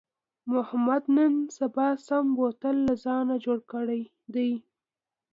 محمود نن سبا سم بوتل له ځانه جوړ کړی دی.